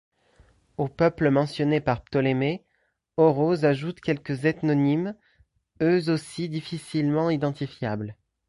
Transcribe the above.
Aux peuples mentionnés par Ptolémée, Orose ajoute quelques ethnonymes, eux aussi difficilement identifiables.